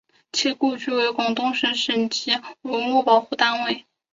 其故居为广东省省级文物保护单位。